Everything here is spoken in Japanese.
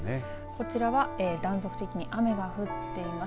こちらは断続的に雨が降っています。